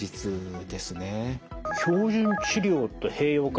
「標準治療と併用可」。